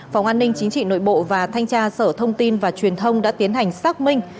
phòng an ninh chính trị nội bộ và thanh tra sở thông tin và truyền thông đã tiến hành xác minh